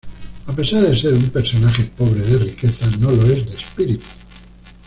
A pesar de ser un personaje pobre de riqueza, no lo es de espíritu.